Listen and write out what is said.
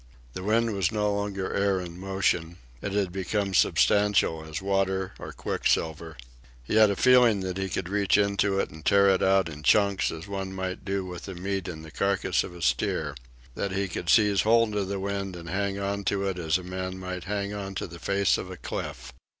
The wind was no longer air in motion. It had become substantial as water or quicksilver. He had a feeling that he could reach into it and tear it out in chunks as one might do with the meat in the carcass of a steer; that he could seize hold of the wind and hang on to it as a man might hang on to the face of a cliff.